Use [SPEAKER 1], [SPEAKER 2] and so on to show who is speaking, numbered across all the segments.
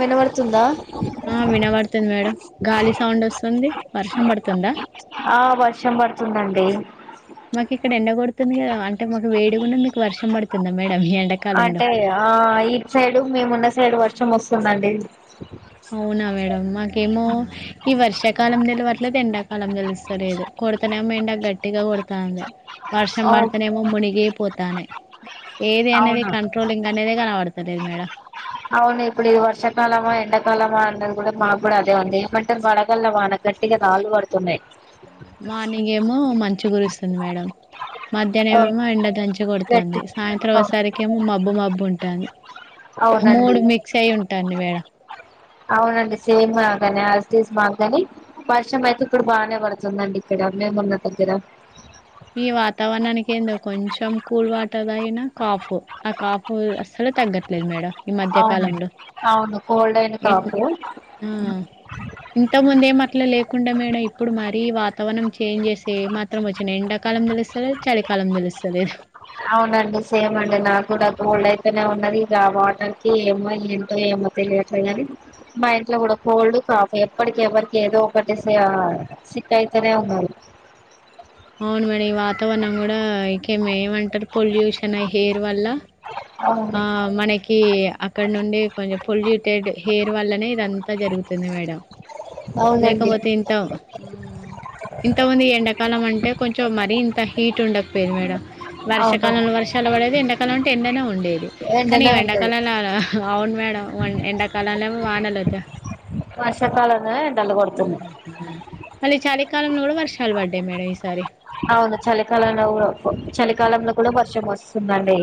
[SPEAKER 1] వినవర్
[SPEAKER 2] ఆ వినబడుతుంది మేడం గాలి సౌండ్ వస్తుంది వర్షం పడుతుందా
[SPEAKER 1] ఆ వర్షం పడుతుందండి
[SPEAKER 2] మాకు ఇక్కడ ఎండగొడుతుంది కదా అంటే మాకు వేడి కూడాన్న మీకు వర్షం పడుతుందా మ
[SPEAKER 1] అంటే ఆ ఈ సైడు మేమున్న సైడు వర్షం వస్తుందండి
[SPEAKER 2] అవునా మేడం మాకేమో ఈ వర్ష ఎకాలం తెలియవట్లేదు ఎండాకాలం తెలుస్తలేదు కుడతనేమో ఎండా గట్టిగా కొడతంది వర్షం పడుతనేమో మునిగిపోతానే ఏది అనేది
[SPEAKER 1] అవును
[SPEAKER 2] కంట్రోలింగ్ అనేది కనపడుత దు మేడం
[SPEAKER 1] అవును ఇప్పుడు ఇ వర్షకాలమా ఎండాకాలమా అన్నది కూడా మాకు కూడా అదే ఉంది ఏమంటారు వాడగల వానక గట్టిగా రాళ్ళు పడుతున్నాయి
[SPEAKER 2] మార్నింగ్ ఏమో మంచు కురిస్తుంది మేడం మధ్యాహ్న ఏమే ఎండ దంచి
[SPEAKER 1] గట్టి
[SPEAKER 2] కొడుతుంది సాయంత్రం వసరికి ఏమో మబ్బు మబ్బు ఉంటుంది
[SPEAKER 1] అవునండి
[SPEAKER 2] మూడు మిక్స్ అయి ఉంటాన్ని మేడం
[SPEAKER 1] అవునండి సేమ్ అగానే మాకు కాని వర్షం అయితే ఇప్పుడు బాగానే పడుతుందండి ఇక్కడ మేమున్న దగ్గర
[SPEAKER 2] కింద కొంచెం కూల్ వాటర్ తగిన కాఫ ఆ కాఫ అసలు తగ్గట్లేదు మేడం ఈ మధ్యకాలంలో
[SPEAKER 1] అవును కోల్డ్ అయిన కాపు
[SPEAKER 2] ఇంత ముందే అట్లా లేకుండా మేడం ఇప్పుడు మరి వాతావరణం చేంజ్ చేసే మాత్రం వచ్చిన ఎండ కాలం తెలుస్తలేదు చలి కాలం తెలుస్తాలేదు
[SPEAKER 1] అవునండి సేమ్ అండి నా కూడా కోల్డ్ అయితనే ఉన్నది వాటర్కి ఏమో ఏంటో ఏమో తెలియట్లే కానీ మా ఇంట్లో కూడా కోల్డ్ కాఫీ ఎప్పటికి ఎవరికి ఏదో ఒకటిసి సిక్ అయితేనే ఉన్నారు
[SPEAKER 2] అవును మేడమ్ ఈ వాతావరణం కూడా ఏమంటారు పొల్యూషన్ ఎయిర్ వల్ల
[SPEAKER 1] అవును
[SPEAKER 2] ఆ మనకి అక్కడ నుండి కొంచెం ఫుల్యూటెడ్ ఎయిర్ వల్లనే ఇదంతా జరుగుతుంది మేడం
[SPEAKER 1] అవునండి
[SPEAKER 2] లేకపోతే వింటా ఇంతముంది ఎండాకాలం అంటే కొంచెం మరీ ఇంత హీట్ ఉండకపోది మేడం
[SPEAKER 1] అవును
[SPEAKER 2] వర్షకాలంలో వర్షాలు పడేది ఎండాకాలం అంటే ఎండనే ఉండేది కానీ
[SPEAKER 1] ఎండనే ఉంటది
[SPEAKER 2] ఎండాకాలంలో అవును మేడం ఎండాకాలంలో వానలేదు
[SPEAKER 1] వర్షాకాలం
[SPEAKER 2] మళ్ళీ చాలకాలంలో కూడా వర్షాలు పడ్డాయి మేడం ఈసారి
[SPEAKER 1] అవును చలికాలంలో చలికాలంలో కూడా వర్షం వస్తుందండి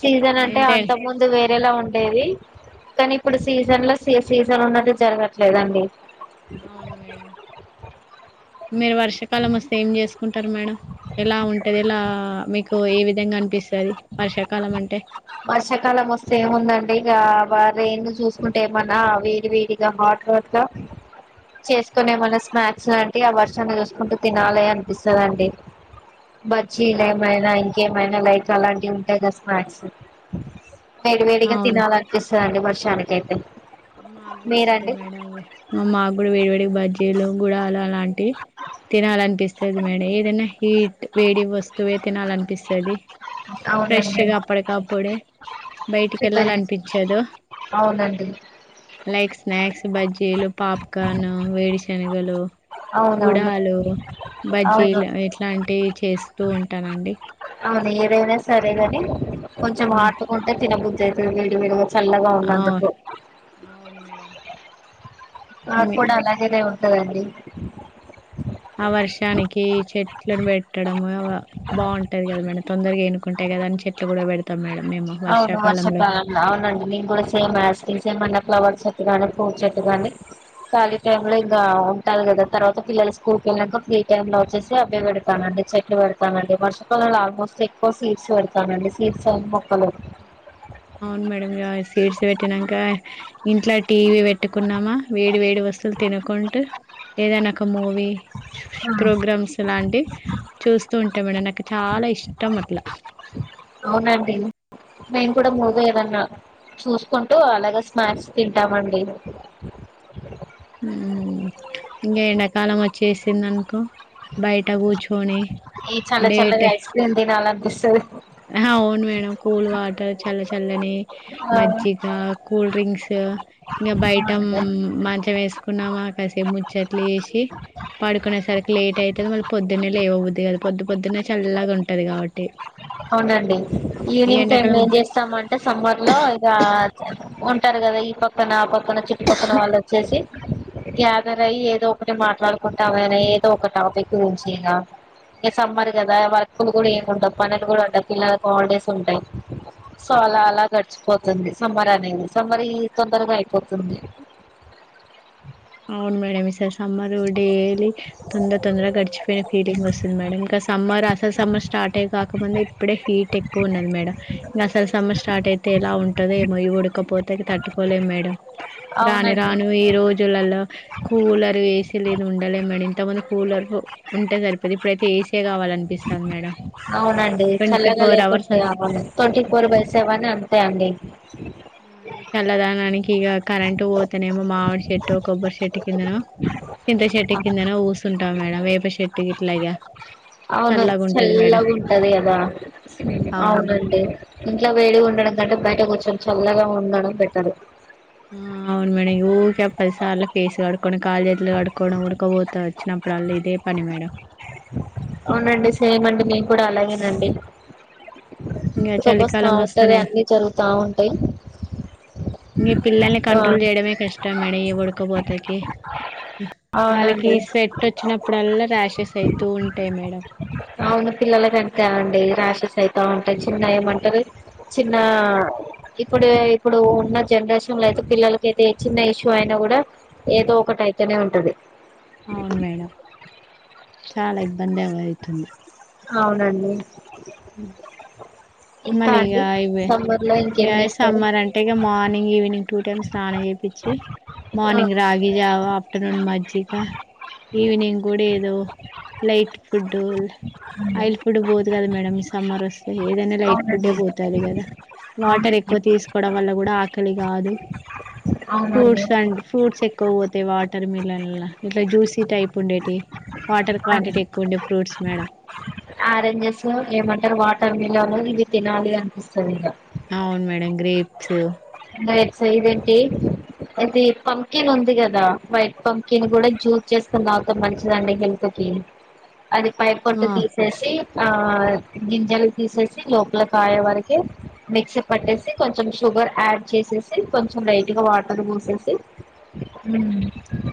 [SPEAKER 1] సీజన్ అంటే
[SPEAKER 2] ఏంటే
[SPEAKER 1] అంత ముందు వేరేలా ఉంట లేది కానీ ఇప్పుడు సీజన్ లో స సీజన్ ఉన్నది జరగట్లేదండి
[SPEAKER 2] అవును మేడం మీరు వర్షాకాలం వస్తే ఏం చేసుకుంటారు మేడం ఎలా ఉంటది ఎలా మీకు ఏ విధంగా అనిపి స్తాధి వర్షాకాలం అంటే
[SPEAKER 1] వర్షాకాలం వస్తే ఏముందండి ఇక రెన్ చూసుకుంటే ఏమన్నా వేడి వేడిగా హట్ అచ్చ [unintelligible] చేసుకునే మన స్నాక్స్ బట్టి ఆ వర్షాన్ని చూసుకుంటూ తినాలి అనిపిస్తుందండి బ చిల ఏమైనా ఇంకేమైనా లైక్ అలాంటివి ఉంటాయి కదా స్నా క్స్ వేడివేడిగా తినాలనిపిస్తధండి వర్షానికి అయితే
[SPEAKER 2] మగుగుడు అంత మేడంవే మా మగుూడు వేడివేడిగ బజ్ీ ఈ లుంగు డా అలా లాంటి తినాలనిపిస్తది మేడం ఏదైనా హీట్ వేడి వస్తువే తినాలనిపిస్తది
[SPEAKER 1] అవునండి
[SPEAKER 2] ఫ్రెష్గా అప్పడి కప్పుడే బయటికి
[SPEAKER 1] ప్రిపేర్ చేసు
[SPEAKER 2] వెళ్లాలనిపిచదు
[SPEAKER 1] అవునండి
[SPEAKER 2] లైక్ స్నాక్స్ బజ్జీలు పాప్కార్న్ వేడిశనలు
[SPEAKER 1] అవునవును అవును
[SPEAKER 2] బజ్జీలు ఇట్లాంటివి చేస్తూ ఉంటానండి
[SPEAKER 1] అవును ఎదైనా సరేగాని కొంచెం హాట్ గుంటే తినబుద్దు అవుతుది వేడి వేడి చల్లగా ఉన్నందుకు
[SPEAKER 2] అవును అవును మేడం
[SPEAKER 1] నాకు కూడా అలాగేనే ఉంటదండి
[SPEAKER 2] ఆ వర్షానికి చెట్లను పెట్టడం బాగుంటది కదా మేడం తొందరగా ఏనుకుంటే కదా అని చెట్లు కూడా పెడతాం మేడం మేము
[SPEAKER 1] అవును వర్షప
[SPEAKER 2] వర్షాకాలంలో
[SPEAKER 1] అవునండి నేమ్ కూడా సేమ్ యాస్ టీజ్ ఏమన్నా ఫ్లవర్స్ చెట్టు గాని ఫ్రూట్స్ చెట్టు గాని ఖాళీ టైమ్ లో ఇంకా ఉంటాలి కదా తర్వాత పిల్లలు స్కూల్ వెళ్ళాక ఫ్రీ టైమ్ లో వచ్చేసి అబ్బయి పెడతాను చెట్లు పెడతామండి వర్షకళంలో ఆల్మోస్ట్ ఎక్కువ సీడ్స్ పెడతామండి సీడ్స్ హాలో
[SPEAKER 2] అవును మేడం ఇంగ సీడ్స్ పెట్టినాక ఇంట్లో టీవి పెట్టి పెట్టుకున్నామా వేడి వేడి వస్తులు తినకుంటూ ఎదన ఒక మూ
[SPEAKER 1] ఆ
[SPEAKER 2] ప్రోగ్రామ్స్ లాంటి చూస్తూ ఉంటా మేడం నాకు చాలా ఇష్టం అట్లా
[SPEAKER 1] అవునండి మేము కూడా మూగ ఏదన్నా చూసుకుంటూ అలాగ స్నాక్స్ తింటామండి
[SPEAKER 2] ఉం ఇంగ ఎండాకాలం వచ్చేసింది అనుకో బయిట కూర్చోని
[SPEAKER 1] ఈ చల్ల చల్ల గ ఐస్ క్రీమ్ తినాలపిస్తు
[SPEAKER 2] అవును మేడం కూల్ వాటర్ చల్ల చల్లని
[SPEAKER 1] ఆ
[SPEAKER 2] మజ్జిగా కూల్ డ్రింక్స్ ఇంగ బయట
[SPEAKER 1] అవునండి
[SPEAKER 2] మంచం వేసుకున్నామా కాసేపు ముచ్చట్లు జేసి పడుకునే సరికి లేట్ అయితది మళ్ళీ పొద్దున్నే లేవబుద్దు కాదు పొద్దు పొద్దున్నే చల్లగా ఉంటది కాబట్టి
[SPEAKER 1] అవునండి
[SPEAKER 2] ఈ
[SPEAKER 1] ఈవినింగ్ టైమ్ లో
[SPEAKER 2] ఎండాకాలం
[SPEAKER 1] ఏం చేస్తామంటే సమ్మర్ లో ఇగ ఉంటరు కదా ఈ పక్కన ఆ పక్కన చుట్టుపక్కన వాళ్ళు వచ్చేసి గ్యాదర్ అయ్యి ఏదో ఒకటి మాట్లాడుకుంటాం క నే ఏదో ఒక టాపిక్ గురించి ఇగ ఇగ సమ్మర్ కదా వర్కులు కూడా ఏమ్ ఉండవ్ పనులు కూడా ఉండవ్ పిల్లలకి హాలిడేస్ ఉంటయి సో అలా అలా గడిచిపోతుంది సమ్మర్ అనేది సమ్మర్ ఈ తొందరగా అయిపోతుంది
[SPEAKER 2] అవును మేడం ఈ సారి సమ్మరు డేలీ తొందర తొందరగ గడిచపోయిన ఫీలింగ్ వస్తుంది మేడం ఇంకా సమ్మర్ అసలు సమ్మర్ స్టార్ట్ ఏ కాకముందే ఇప్పుడే హీట్ ట్ ఎక్కువ ఉన్నది మేడం ఇంకా అసలు సమ్యం స్టార్ట్ అయితే ఎలా ఉంటందో ఏమో ఈ ఉడకపోతకి తట్టుకోలేము మేడం రాను
[SPEAKER 1] అవునండి
[SPEAKER 2] రాను ఈ రోజులలో కూలర్ ఎ సి లేదు ఉండలెం మేడం ఇంత మందు కూలర్ ఉంటే సరిపోయేది ఇప్పుడయితే ఎ సి కనిపిస్తాను మేడంమ్
[SPEAKER 1] అవునండి చల్లగా లేకుంటే అవును ట్వంటీ ఫోర్ బై సెవెన్ అంఅంతే అండి [inaudible]
[SPEAKER 2] ఆ ఈ చల్లదనానికి ఇక కరెంట్ పోతానేమో మామిడి చెట్టు కొబ్బరి చెట్టు కిందనో చింతశెట్టి కిందన ఊసుంటావు మేడం వేపశెట్టుకి ఇట్లాగ
[SPEAKER 1] అవును చల్లగా ఉంటది కదా
[SPEAKER 2] అవును మేడం
[SPEAKER 1] అవునండి ఇంట్లో వేడి ఉండడం కంటే బయట కూర్చొని చల్లగా ఉండడం బెట్టరు
[SPEAKER 2] ఆ అవును మేడం ఊక పదిసార్లు ఫేస్ కడుకొని కాలజేజలు కడుక్కడం ఉడకపోతా వచ్చినప్పుడు వాళ్ళ ఇదే పని మేడం [inaudible]
[SPEAKER 1] అవునండి సేమ్ అండి మేం కూడా అలాగేనండి
[SPEAKER 2] ఇంగ
[SPEAKER 1] ఇ వస్తా
[SPEAKER 2] చలికాలం
[SPEAKER 1] ఉంటది
[SPEAKER 2] వస్తేనే
[SPEAKER 1] అన్నీ జరుగుతా ఉంటాయి
[SPEAKER 2] మీ పిల్లల్ని
[SPEAKER 1] ఆ
[SPEAKER 2] కంట్రోల్ చేయడమే కష్టం మేడం ఉడకపోతాకి వాళ్ళకి
[SPEAKER 1] అవునండి
[SPEAKER 2] స్వెట్ వచ్చినప్పుడల్లా ర్యాషెస్ అవుతూ ఉంటాయి మేడం
[SPEAKER 1] అవును పిల్లల అంతేఅండి రా ఉంటాయి చిన్న ఏమంటారు చిన్న ఇప్పుడు ఇప్పుడు ఉన్న జనరేషన్ ంలో అయితే పిల్లలకైతే చిన్న ఇష్యూ అయినా కూడా ఏదో ఒకటియితేనే ఉంటది.
[SPEAKER 2] అవును మేడం చాలా ఇబ్బంది ఎదురవుతుంది
[SPEAKER 1] అవునండి
[SPEAKER 2] [unintelligible]
[SPEAKER 1] ఇంకా
[SPEAKER 2] మళ్ళీ ఇక
[SPEAKER 1] అండి
[SPEAKER 2] ఇవే
[SPEAKER 1] సమ్మర్ లో
[SPEAKER 2] ఇక
[SPEAKER 1] ఇంకేం చేస్తారు
[SPEAKER 2] సమ్మర్ అంటే ఇక మార్నింగ్ ఈవినింగ్ టూ టైమ్స్ స్నానం చేపించి
[SPEAKER 1] ఆ
[SPEAKER 2] మార్నింగ్ రాగి జావు ఆఫ్టర్నూన్ మజ్జగ ఈవనింగ్ కూడా ఏదో లైట్ ఫుడ్ అయిల్ ఫుడ్ పోదు కదా మేడమ్ ఈ సమ్మర్ వస్తే ఏదైనా లైట్ గుడే
[SPEAKER 1] అవునండి
[SPEAKER 2] పోతంది కదా వాటర్ ఎక్కువ తీసుకోవడం వల్ల కూడా ఆకలి కాదు
[SPEAKER 1] అవునండి
[SPEAKER 2] ఫ్రూట్స్ అ ఫ్రూట్స్ ఎక్కువ పోతాయి వాటర్ మిలన్ ఇట్లా జ్యూసీ టైప్ ఉండేవి వాటర్
[SPEAKER 1] అవును.
[SPEAKER 2] క్వాంటిటీ ఎక్కువ ఉండే ఫ్రూట్స్ మేడం
[SPEAKER 1] ఆరెంజెస్ ఏమంటారు వాటర్ మిలల్ ఇవి తినాలి అనిపిస్తుంది ఇగా
[SPEAKER 2] అవును మేడం గ్రేప్స్
[SPEAKER 1] అంతే అయిది పంకిన్ ఉంది కదా వైట్ పంకిన్ కూడా జూస్ చేకు నాతో మంచిదండి హెల్ అది పై పొట్టు తీసేసి ఆ గింజల్ తీసేసి లోపల కాయే వరక మిక్సీ పట్టేసి కొంచెం షుగర్ యాడ్ చేసేసి కొంచెం లైట్ గా వాటర్ పోసేసి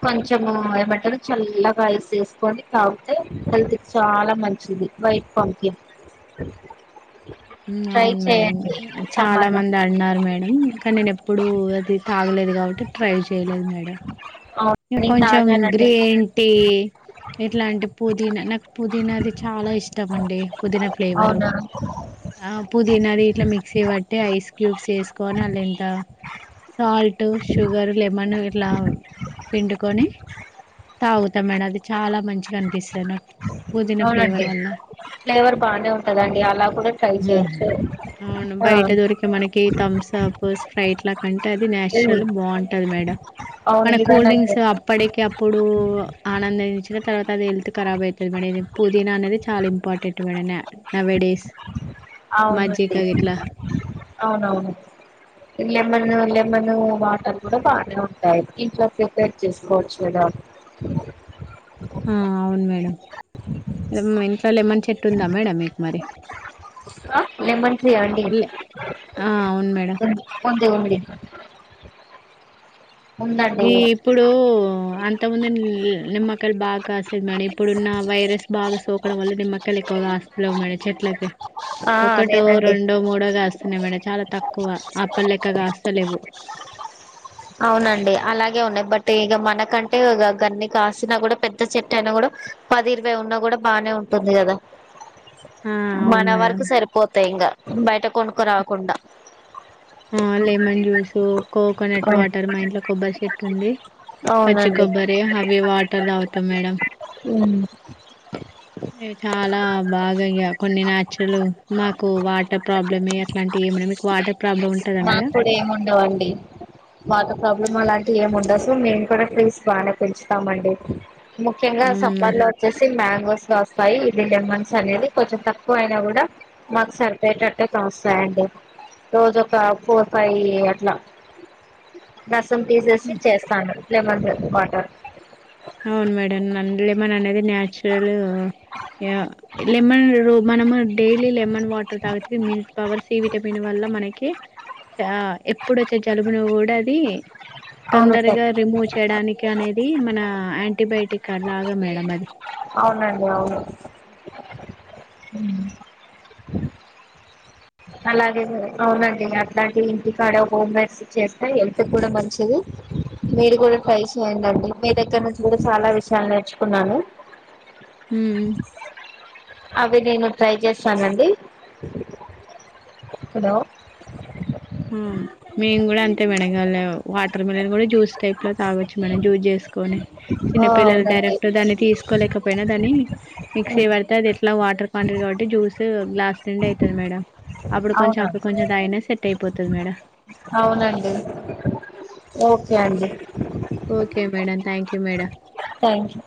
[SPEAKER 1] కొంచము ఏమంటారు చల్లగాఐస్ వేసుకని తగితే అది చాలా మంచిది వైట్ పంప్కిన్
[SPEAKER 2] అవును మేడం చాలా
[SPEAKER 1] సమ్మర్ లో
[SPEAKER 2] మంది అడిన్నారు మేడం ఇంకా నేను ఎప్పుడు అది తాగలేదు కాబట్టి ట్రై చేయలేదు మేడం
[SPEAKER 1] అవును నేను
[SPEAKER 2] కొంచెం
[SPEAKER 1] తాగానండి
[SPEAKER 2] గ్రీన్ టీ ఎట్లా అంటే పుదీనా నాకు పుదీనా అది చాలా ఇష్టం అండి పుదీనా ఫ్లేవరు
[SPEAKER 1] అవునా
[SPEAKER 2] ఆ పుదీనాది ఇట్లా మిక్సీ బట్టి ఐస్ క్యూబ్స్ వేసుకోని అళ్ళె ఎంత సాల్ట్ షుగర్ లెమన్ ఇట్లా వెట్టుడుకొని తాగుతాం మేడం అది చాలా మంచిగా అనిపిస్తుంది నాకు పుదీన
[SPEAKER 1] అవునండి
[SPEAKER 2] ఫ్లేవర్ వల్ల
[SPEAKER 1] ఫ్లేవర్ బానే ఉంటదండి అలా కూడా ట్రై చేయొచ్చు
[SPEAKER 2] సపోస్ ఫ్రైట్ లా కంటే అది
[SPEAKER 1] ఇది
[SPEAKER 2] నేచురల్ బాగుంటది మేడం
[SPEAKER 1] అవును
[SPEAKER 2] మన కూల్
[SPEAKER 1] ఇదనా
[SPEAKER 2] డ్రింక్స్ అప్పటికి అప్పుడు ఆనందంచిన తర్వాత అది హెల్త్ కరాబ్ అవుతుంది మేడం పుదీనా అనేది చాలా ఇంపార్టెంట్ మేడం నవేడేస్
[SPEAKER 1] అవునండి అవునవును లెమన్ లెమన్ వాటర్ కూడా బాగానే ఉంటాయి ఇంట్లో ప్రిపేర్ చేసుకోవచ్చు కూడా
[SPEAKER 2] ఆ అవును మేడం మీ ఇంట్లో లెమన్ చెట్టు ఉందా మేడం మీకు మరీ
[SPEAKER 1] లెమన్ ట్రీ అండి
[SPEAKER 2] ఆ అవును మేడం
[SPEAKER 1] ఉంది ఉంది ఉందండి
[SPEAKER 2] ఈ ఇప్పుడు అంతముందు నిమ్మక్కయలు బాగా కాసేది మేడం ఇప్పుడున్న వైరస్ బాగా సోకడం వల్ల నిమ్మక్కయలు ఎక్కువ ఆస్తు మ చెట్లకి
[SPEAKER 1] ఆ
[SPEAKER 2] ఒకటో
[SPEAKER 1] అదేనండి
[SPEAKER 2] రెండో మూడోగాస్త స్తున్నా మేడం చాలా తక్కువ అప్పల్లెక్క గా స్తలేవు
[SPEAKER 1] అవునండి అలాగే ఉన్నాయి్ బట్ ఇక మనకంటే ఇ గన్ని కాసిన కూడా పెద్ద చెట్టు అయినా కూడా పది ఇరవై ఉన్న కూడా బానే ఉంటుంది కదా
[SPEAKER 2] ఆ అవును
[SPEAKER 1] మన
[SPEAKER 2] మేడం
[SPEAKER 1] వరకు సరిపోతాయి ఇంకా బయట కొన క రాకుండా
[SPEAKER 2] ఆ లెమన్ జ్యూస్ కోకోనట్ వాటర్ మా ఇంట్లో కొబ్బరి చెట్టు ఉంది పచ్చి
[SPEAKER 1] అవునండి
[SPEAKER 2] కొబ్బరి అవి వాటర్ తాగుతాం మేడం
[SPEAKER 1] హ్మ్మ్
[SPEAKER 2] చాలా బాగాయ్యా కొన్ని న్యాచురల్ మాకు వాటర్ ప్రాబ్లమ్ అట్లాంటి ఏమి మీకు వాటర్ ప్రాబ్లమ్ ఉంటదా మేడం
[SPEAKER 1] వండి వాటర్ ప్రాబ్లం అలాంటి ఏము ఉండవు సో మేము కూడా ట్రీస్ బాగానే పెంచుతామండి ముఖ్యంగా
[SPEAKER 2] మేడం
[SPEAKER 1] సమ్మర్ లో వచ్చేసి మ్యా స్తాయి ఇ లెమన్స్ అనేది కొంచెం తక్కువ అయినా కూడా మాకు సరిపోయేటట్టుగాస్తాయి అండి రోజు ఒక ఫోర్ ఫైవ్ అట్లా రసం తీసేసి చేస్తాను లెమన్ వాటర్
[SPEAKER 2] అవును మేడం లెమన్ అనేది న్యాచురల్ లమన్ ర మనము డైలీ లెమన్ వాటర్ తాగితే మి పవర్ సి విటమిన్ వల్ మనకి చ ఎప్పుడు వచ్చే జలుబును కూడా అది
[SPEAKER 1] అవును సార్
[SPEAKER 2] తొందరగా రిమూవ్ చేయడానికి అనేది మన ఆంటీబయోటిక్ అలాగా మేడం అది
[SPEAKER 1] అ అలాగే అవునండి అట్లాంటివి ఇంటికాడ హోమ్మెర్స్ చేస్తే హెల్త్ కూడా మంచిది మీరు కూడా ట్రై చేయ్యడి మీ దగ్గర నుంచి కూడా చాలా విషయాలు నేర్చుకున్నాను
[SPEAKER 2] మ్
[SPEAKER 1] అవి నేను ట్రై చేస్తానండి హలో
[SPEAKER 2] మేము కూడా అంతే గల వాటర్ మిలన్ కూడా జ్యూస్ టైప్ లో తాగచ్చు మేడం జ్యూస్ చేస్త సుకునే
[SPEAKER 1] ఆ
[SPEAKER 2] చిన్నపిిల్లలు
[SPEAKER 1] అవునండి
[SPEAKER 2] డైరెక్ట్ దాన్ని తీసుకోలేకపోయినా దాన్ని మిక్స్య పడితే అది ఎట్లా వా జ్యూస్ గ్లాస్ నిండా అయితది మేడం అప్పుడు కొంచెం
[SPEAKER 1] అవునా
[SPEAKER 2] అప్పుడు కొంచెం అయిపోతది మేడం
[SPEAKER 1] అవునండి ఓకే అండి
[SPEAKER 2] okay madam thank you madam
[SPEAKER 1] thank you